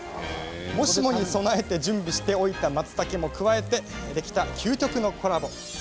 もしもに備えて準備しておいたまつたけも加えてできた究極のコラボ。